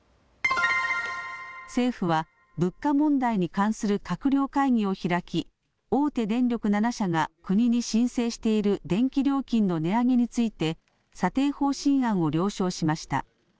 政府は物価問題に関する閣僚会議を開き大手電力７社が国に申請している電気料金の値上げについて査定方針案を了承しました。